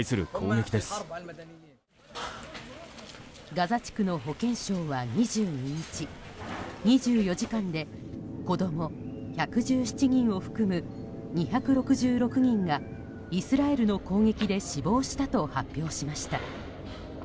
ガザ地区の保健省は２２日２４時間で子供１１７人を含む２６６人がイスラエルの攻撃で死亡したと発表しました。